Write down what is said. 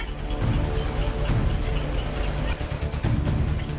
จับมับเขาให้